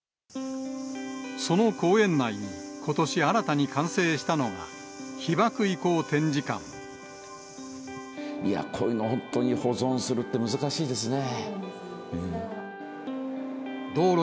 その公園内に、ことし新たに完成したのが、いや、こういうの本当に保存するって難しいですね。